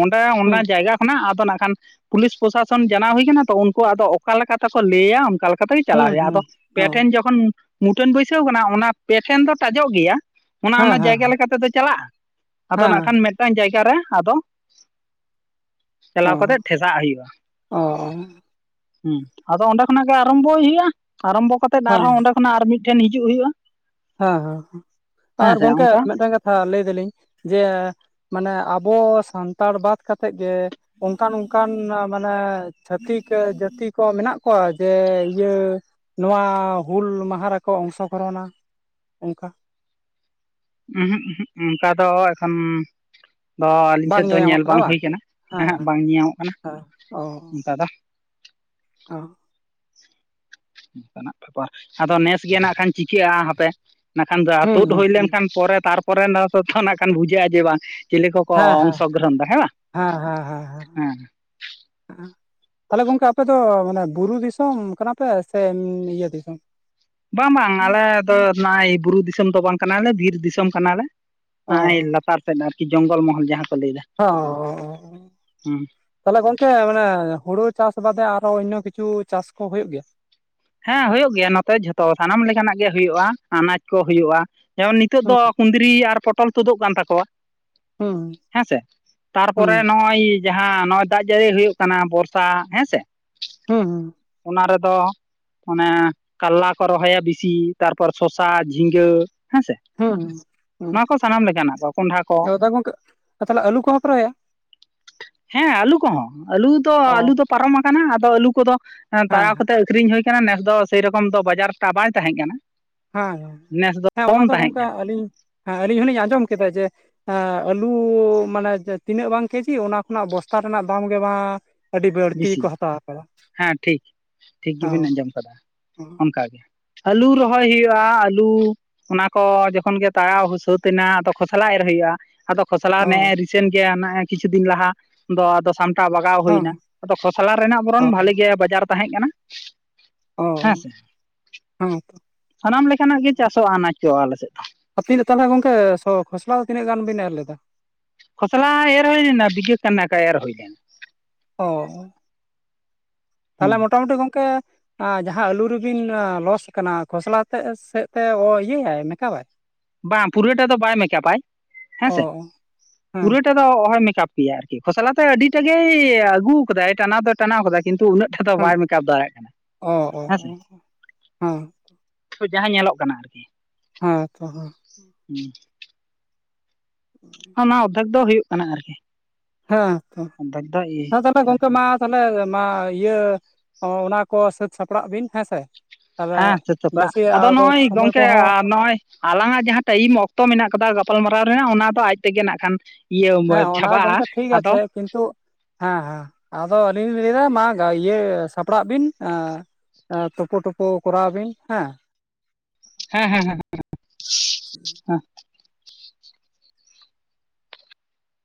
ᱚᱸᱰᱮ ᱚᱱᱟ ᱦᱩᱸ ᱡᱟᱭᱜᱟ ᱠᱷᱚᱱᱟᱜ ᱟᱫᱚ ᱱᱟᱜ ᱠᱷᱟᱱ ᱯᱩᱞᱤᱥ ᱯᱨᱚᱥᱟᱥᱚᱱ ᱡᱟᱱᱟᱣ ᱦᱩᱭ ᱟᱠᱟᱱᱟ ᱛᱚ, ᱩᱱᱠᱩ ᱟᱫᱚ ᱚᱠᱟ ᱞᱮᱠᱚ ᱛᱮᱠᱚ ᱞᱟᱹᱭᱟ᱾ ᱚᱱᱠᱟ ᱞᱮᱠᱟ ᱠᱟᱛᱮ ᱜᱮ ᱪᱟᱞᱟᱣ ᱦᱩᱸ ᱦᱩᱭᱩᱜᱼᱟ ᱟᱫᱚ ᱦᱩᱸ ᱯᱮ ᱚ ᱴᱷᱮᱱ ᱡᱚᱠᱷᱚᱱ ᱢᱩᱴᱷᱟᱹᱱ ᱵᱟᱹᱭᱥᱟᱹᱣ ᱠᱟᱱᱟ ᱚᱱᱟ ᱯᱮ ᱴᱷᱮᱱ ᱫᱚ ᱴᱟᱡᱚᱜ ᱜᱮᱭᱟ, ᱚᱱᱟ ᱦᱮᱸ ᱚᱱᱟ ᱦᱮᱸ ᱡᱟᱭᱜᱟ ᱞᱮᱠᱟ ᱛᱮᱫᱚ ᱪᱟᱞᱟᱜᱼᱟ, ᱟᱫᱚ ᱱᱟᱜ ᱦᱮᱸ ᱠᱷᱟᱱ ᱢᱤᱫᱴᱟᱝ ᱡᱟᱭᱜᱟ ᱨᱮ ᱟᱫᱚ ᱚ ᱪᱟᱞᱟᱣ ᱠᱟᱛᱮᱜ ᱴᱷᱮᱥᱟᱜ ᱦᱩᱭᱩᱜᱼᱟ᱾ ᱚ ᱦᱩᱸ ᱟᱫᱚ ᱚᱸᱰᱮ ᱠᱷᱚᱱᱟᱜ ᱜᱮ ᱟᱨᱟᱢᱵᱷᱚᱭ ᱦᱩᱭᱩᱜᱼᱟ᱾ ᱟᱨᱟᱢᱵᱷᱚ ᱠᱟᱛᱮ ᱦᱮᱸ ᱟᱨᱦᱚᱸ ᱚᱸᱰᱮ ᱠᱷᱚᱱᱟᱜ ᱟᱨ ᱢᱤᱫᱴᱷᱮᱱ ᱦᱤᱡᱩᱜ ᱦᱩᱭᱩᱜᱼᱟ᱾ ᱦᱟᱸ ᱦᱟᱸ, ᱦᱮᱸ ᱟᱨ ᱥᱮ ᱜᱚᱝᱠᱮ ᱚᱱᱠᱟ ᱢᱤᱫᱴᱟᱝ ᱠᱟᱛᱷᱟ ᱞᱟᱹᱭ ᱫᱟᱞᱤᱧ ᱡᱮ ᱢᱟᱱᱮ ᱟᱵᱚ ᱥᱟᱱᱛᱟᱲ ᱵᱟᱫ ᱠᱟᱛᱮᱜᱽ ᱜᱮ, ᱚᱝᱠᱟᱱ ᱚᱝᱠᱟᱱ ᱢᱟᱱᱮ ᱪᱷᱟᱹᱛᱤᱠ ᱡᱟᱹᱛᱤ ᱠᱚ ᱢᱮᱱᱟᱜ ᱠᱚᱣᱟ? ᱡᱮ ᱤᱭᱟᱹ ᱱᱚᱣᱟ ᱦᱩᱞ ᱢᱟᱦᱟ ᱨᱮᱠᱚ ᱚᱝᱥᱚᱜᱨᱚᱦᱚᱱᱟ, ᱚᱝᱠᱟ ᱾ ᱩᱸᱦᱩᱜ ᱩᱸᱦᱩᱜ ᱚᱱᱠᱟ ᱫᱚ ᱮᱠᱷᱚᱱ ᱟᱫᱚ ᱟᱹᱞᱤᱧ ᱥᱮᱫ ᱫᱚ ᱧᱮᱞ ᱵᱟᱝ ᱦᱩᱭ ᱠᱟᱱᱟ ᱮᱸ ᱦᱮᱸᱜ ᱦᱮᱸ ᱵᱟᱝ ᱧᱮᱭᱟᱢᱚᱜ ᱠᱟᱱᱟ ᱦᱮᱸ ᱫᱟᱫᱟ, ᱚᱻ ᱾ ᱚᱝᱠᱟᱱᱟᱜ ᱵᱮᱯᱟᱨ ᱟᱫᱚ ᱱᱮᱥ ᱜᱮ ᱱᱟᱜ ᱠᱷᱟᱱ ᱪᱤᱠᱟᱹᱜᱼᱟ ᱦᱟᱯᱮ ᱱᱟᱜ ᱠᱷᱟᱱ ᱫᱚ ᱦᱩᱸ ᱛᱩᱫ ᱦᱩᱸ ᱦᱩᱭ ᱦᱩᱸ ᱞᱮᱱᱠᱷᱟᱱ ᱯᱚᱨᱮ ᱛᱟᱨᱯᱚᱨᱮ ᱱᱟᱜ ᱠᱷᱟᱱ ᱵᱩᱡᱷᱟᱹᱜᱼᱟ, ᱡᱮ ᱵᱟᱝ ᱪᱤᱞᱤ ᱠᱚᱠᱚ ᱦᱮᱸ ᱦᱮᱸ ᱚᱝᱥᱚ ᱜᱨᱚᱦᱚᱱ ᱫᱟ ᱦᱮᱸ ᱵᱟᱝ ᱦᱮᱸ ᱦᱮᱸ ᱦᱮᱸ [inaudible] ᱛᱟᱦᱚᱞᱮ ᱜᱚᱝᱠᱮ ᱟᱯᱮ ᱫᱚ ᱢᱟᱱᱮ ᱵᱩᱨᱩ ᱫᱤᱥᱚᱢ ᱠᱟᱱᱟ ᱯᱮ ᱥᱮ ᱮᱢ ᱤᱭᱟᱹ ᱫᱤᱥᱚᱢ? ᱵᱟᱝ ᱵᱟᱝ ᱟᱞᱮ ᱫᱚ ᱱᱚᱜᱼᱚᱭ ᱵᱩᱨᱩ ᱫᱤᱥᱚᱢ ᱫᱚ ᱵᱟᱝ ᱠᱟᱱᱟᱞᱮ ᱵᱤᱨ ᱫᱤᱥᱚᱢ ᱠᱟᱱᱟᱞᱮ᱾ ᱚ ᱦᱟᱸᱜᱼᱟᱭ ᱞᱟᱛᱟᱨ ᱥᱮᱫ ᱟᱨᱠᱤ ᱡᱚᱝᱜᱚᱞ ᱢᱚᱦᱚᱞ ᱡᱟᱦᱟᱸ ᱠᱚ ᱞᱟᱹᱭ ᱮᱫᱟ᱾ ᱦᱚᱸᱻᱚᱻᱚᱻ᱾ ᱛᱟᱦᱚᱞᱮ ᱜᱚᱝᱠᱮ ᱢᱟᱱᱮ ᱦᱩᱲᱩ ᱪᱟᱥ ᱵᱟᱫᱮ ᱟᱨᱦᱚ ᱚᱱᱱᱚ ᱠᱤᱪᱷᱩ ᱪᱟᱥ ᱠᱚ ᱦᱩᱭᱩᱜ ᱜᱮᱭᱟ? ᱦᱮᱸ ᱦᱩᱭᱩᱜ ᱜᱮᱭᱟ, ᱱᱚᱛᱮ ᱡᱷᱚᱛᱚ ᱥᱟᱱᱟᱢ ᱞᱮᱠᱟᱱᱟᱜ ᱜᱮ ᱦᱩᱭᱩᱜᱼᱟ, ᱟᱱᱟᱡ ᱠᱚ ᱦᱩᱭᱩᱜᱼᱟ᱾ ᱡᱮᱢᱚᱱ ᱱᱤᱛᱚᱜ ᱦᱩᱸ ᱫᱚ ᱠᱩᱸᱫᱽᱨᱤ ᱟᱨ ᱯᱚᱴᱚᱞ ᱛᱩᱫᱩᱜ ᱠᱟᱱ ᱛᱟᱠᱚᱣᱟ᱾ ᱦᱩᱸ ᱦᱮᱸ ᱥᱮ, ᱛᱟᱨᱯᱚᱨᱮ ᱦᱩᱸ ᱱᱚᱜᱼᱚᱭ ᱡᱟᱦᱟᱸ ᱱᱚᱜᱼᱚᱭ ᱫᱟᱜ ᱡᱟᱹᱲᱤ ᱦᱩᱭᱩᱜ ᱠᱟᱱᱟ ᱵᱚᱨᱥᱟ᱾ ᱦᱮᱸ ᱥᱮ? ᱦᱩᱸ ᱦᱩᱸ᱾ ᱚᱱᱟ ᱨᱮ ᱫᱚ ᱢᱟᱱᱮ ᱠᱟᱞᱞᱟ ᱠᱚ ᱨᱚᱦᱚᱭᱟ ᱵᱮᱥᱤ ᱛᱟᱨᱯᱚᱨ ᱥᱚᱥᱟ, ᱡᱷᱤᱸᱜᱟᱹ ᱦᱮᱸ ᱥᱮᱼᱼ ᱦᱩᱸ ᱠᱚᱸᱰᱷᱟ ᱠᱚ ᱦᱩᱸᱦᱩᱸ ᱟᱫᱚ ᱜᱚᱢᱠᱮ ᱛᱟᱦᱚᱞᱮ ᱟᱹᱞᱩ ᱠᱚ ᱦᱚᱸ ᱯᱮ ᱨᱚᱦᱚᱭᱟ? [inaudible] ᱦᱮᱸ ᱟᱹᱞᱩ ᱠᱚ ᱦᱚᱸ, ᱟᱹᱞᱩ ᱫᱚ ᱚ ᱟᱹᱞᱩ ᱫᱚᱼᱼ ᱯᱟᱨᱚᱢ ᱟᱠᱟᱱᱟ, ᱟᱫᱚ ᱟᱹᱞᱩ ᱠᱚ ᱫᱚ ᱛᱟᱲᱟᱣ ᱦᱮᱸ ᱦᱮᱸ ᱠᱟᱛᱮᱜ ᱟᱹᱠᱷᱨᱤᱧ ᱦᱩᱭ ᱠᱟᱱᱟ᱾ ᱱᱮᱥ ᱫᱚ ᱥᱮᱭᱨᱚᱠᱚᱢ ᱫᱚ ᱵᱟᱡᱟᱨ ᱴᱟᱜ ᱵᱟᱭ ᱛᱟᱦᱮᱸ ᱠᱟᱱᱟ᱾ ᱦᱮᱸ ᱦᱮᱸ᱾ ᱱᱮᱥ ᱦᱮᱸ, ᱚᱱᱟ ᱠᱚᱢ ᱫᱚ ᱛᱟᱦᱮᱸ ᱜᱚᱝᱠᱮ ᱠᱟᱱᱟ ᱟᱹᱞᱤᱧ ᱦᱮᱸ ᱟᱹᱞᱤᱧ ᱦᱚᱞᱤᱧ ᱟᱸᱡᱚᱢ ᱠᱮᱫᱟ ᱡᱮ ᱮ ᱟᱹᱞᱩ ᱢᱟᱱᱮ ᱛᱤᱱᱟᱹᱜ ᱵᱟᱝ ᱠᱮᱡᱤ ᱚᱱᱟ ᱠᱷᱚᱱᱟᱜ ᱵᱚᱥᱛᱟ ᱨᱮᱱᱟᱜ ᱫᱟᱢ ᱜᱮ ᱢᱟ ᱟᱹᱰᱤ ᱵᱟᱹᱲᱛᱤ ᱵᱤᱥᱤ ᱠᱚ ᱦᱟᱛᱟᱣ ᱟᱠᱟᱫᱟ᱾ ᱦᱮᱸ ᱴᱷᱤᱠ ᱴᱷᱤᱠ ᱚ ᱜᱮᱵᱤᱱ ᱟᱸᱡᱚᱢ ᱠᱟᱫᱟ [inaudible] ᱟᱹᱞᱩ ᱨᱚᱦᱚᱭ ᱦᱩᱭᱩᱜᱼᱟ ᱟᱹᱞᱩ᱾ ᱚᱱᱟ ᱠᱚ ᱡᱚᱠᱷᱚᱱ ᱜᱮ ᱛᱟᱲᱟᱣ ᱥᱟᱹᱛ ᱮᱱᱟ ᱟᱫᱚ ᱠᱷᱚᱥᱞᱟ ᱮᱨ ᱦᱩᱭᱩᱜᱼᱟ᱾ ᱟᱫᱚ ᱠᱷᱚᱥᱞᱟ ᱚ ᱱᱮᱜ-ᱮ ᱨᱤᱼᱼ ᱥᱮᱱ ᱜᱮᱭᱟ ᱱᱟᱭ ᱠᱤᱪᱷᱩ ᱫᱤᱱ ᱞᱟᱦᱟ ᱫᱚ ᱟᱫᱚ ᱥᱟᱢᱴᱟᱣ ᱵᱟᱜᱷᱟᱣ ᱦᱮᱸ ᱦᱩᱭᱱᱟ᱾ ᱟᱫᱚ ᱠᱷᱚᱥᱞᱟ ᱨᱮᱱᱟᱜ ᱚ ᱵᱚᱨᱚᱱ ᱵᱷᱟᱞᱤ ᱜᱮ ᱵᱟᱡᱟᱨ ᱛᱟᱦᱮᱸ ᱠᱟᱱᱟ᱾ ᱦᱮᱸ ᱚ ᱥᱮ, ᱦᱮᱸ ᱥᱟᱱᱟᱢ ᱞᱮᱠᱟᱱᱟᱜ ᱜᱮ ᱪᱟᱥᱚᱜᱼᱟ ᱟᱱᱟᱡ ᱠᱚ ᱟᱞᱮ ᱥᱮᱫ ᱫᱚ᱾ ᱟᱵᱤᱱ ᱫᱚ ᱛᱟᱦᱚᱞᱮ ᱜᱚᱝᱠᱮ ᱥᱚ ᱠᱷᱚᱥᱞᱟ ᱫᱚ ᱛᱤᱱᱟᱹᱜ ᱜᱟᱱ ᱵᱤᱱ ᱮᱨ ᱞᱮᱫᱟ? ᱠᱷᱚᱥᱞᱟ ᱮᱨ ᱦᱩᱭ ᱞᱮᱱᱟ ᱵᱤᱜᱷᱟᱹ ᱠᱟᱱᱟᱠᱟ ᱮᱨ ᱦᱩᱭ ᱞᱮᱱᱟ᱾ ᱚ ᱛᱟᱦᱞᱮ ᱦᱩᱸ ᱢᱚᱴᱟᱢᱩᱴᱤ ᱜᱚᱝᱠᱮᱼᱼ ᱡᱟᱦᱟᱸ ᱟᱹᱞᱩ ᱨᱮᱵᱤᱱ ᱞᱚᱥ ᱟᱠᱟᱱᱟ ᱠᱷᱚᱥᱞᱟ ᱛᱮᱜ ᱥᱮᱜ ᱛᱮ ᱤᱭᱟᱹᱭᱟᱭ ᱢᱮᱠᱟᱯ ᱟᱭ? ᱵᱟᱝ ᱯᱩᱨᱟᱹᱴᱟ ᱫᱚ ᱵᱟᱭ ᱢᱮᱠᱟᱯᱟᱭ ᱦᱮᱸ ᱚ ᱥᱮ, ᱦᱮᱸ ᱯᱩᱨᱟᱹᱴᱟ ᱚᱦᱚᱭ ᱢᱮᱠᱟᱯ ᱜᱮᱭᱟ ᱟᱨᱠᱤ᱾ ᱠᱷᱚᱥᱞᱟ ᱛᱮ ᱟᱹᱰᱤᱴᱮᱜ ᱜᱮᱭ ᱟᱹᱜᱩ ᱟᱠᱟᱫᱟᱭ ᱴᱟᱱᱟᱣ ᱫᱚ ᱴᱟᱱᱟᱣ ᱠᱟᱫᱟ ᱠᱤᱱᱛᱩ ᱩᱱᱟᱹᱜ ᱴᱷᱮᱜ ᱫᱚ ᱦᱮᱸ ᱵᱟᱭ ᱢᱮᱠᱟᱯ ᱫᱟᱲᱮᱜ ᱠᱟᱱᱟ᱾ ᱚ ᱚ ᱦᱮᱸᱥᱮ, ᱦᱮᱸ ᱡᱟᱦᱟᱸ ᱧᱮᱞᱚᱜ ᱠᱟᱱᱟ ᱟᱨᱠᱤ᱾ ᱦᱮᱸ ᱛᱚ ᱦᱮᱸ᱾ [inaudible] ᱚᱱᱟ ᱚᱫᱽᱫᱷᱮᱠ ᱫᱚ ᱦᱩᱭᱩᱜ ᱠᱟᱱᱟ ᱟᱨᱠᱤ᱾ ᱦᱮᱸ ᱛᱚ᱾ ᱚᱨᱫᱷᱮᱠ ᱫᱚ ᱤᱭᱟᱹ ᱦᱮᱸ ᱛᱟᱦᱞᱮ ᱜᱚᱝᱠᱮ ᱟᱨᱠᱤ ᱢᱟ ᱛᱟᱦᱚᱞᱮ ᱢᱟ ᱤᱭᱟᱹ ᱚᱱᱟ ᱠᱚ ᱥᱟᱹᱛᱼᱼ ᱥᱟᱯᱲᱟᱜ ᱵᱤᱱ ᱦᱮᱸᱥᱮ, ᱛᱟᱦᱞᱮ ᱦᱮᱸ ᱥᱟᱹᱛ ᱥᱟᱯᱲᱟᱜ ᱵᱮᱥᱤ ᱟᱨᱚ ᱥᱚᱢᱚᱭ ᱠᱚᱦᱚᱸ ᱟᱞᱟᱝ ᱟᱜ ᱡᱟᱦᱟᱸ ᱴᱟᱭᱤᱢ ᱚᱠᱛᱚ ᱢᱮᱱᱟᱜ ᱠᱟᱫᱟ ᱜᱟᱯᱟᱞᱢᱟᱨᱟᱣ ᱨᱮᱱᱟᱜ ᱚᱱᱟ ᱫᱚ ᱟᱡ ᱛᱮᱜᱮ ᱱᱟᱜ ᱠᱷᱟᱱ ᱤᱭᱟᱹ ᱦᱮᱸ ᱚᱱᱟ ᱪᱷᱟᱵᱟᱜᱼᱟ, ᱜᱚᱝᱠᱮ ᱴᱷᱤᱠ ᱟᱫᱚ ᱟᱪᱷᱮ ᱠᱤᱱᱛᱩ, ᱦᱮᱸ ᱦᱮᱸ, ᱟᱫᱚ ᱟᱹᱞᱤᱧ ᱞᱤᱧ ᱞᱟᱹᱭ [unintelligible] ᱥᱟᱯᱲᱟᱜ ᱵᱤᱱ᱾ ᱛᱩᱯᱩ ᱴᱳᱯᱩ ᱠᱚᱨᱟᱣ ᱵᱤᱱ ᱦᱮᱸ᱾ ᱦᱮᱸ ᱦᱮᱸ ᱮᱦᱸ᱾